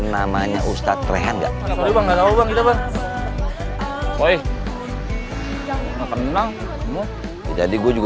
namanya ustadz rehan enggak ngerti banget banget banget woi enggak pernah jadi gue juga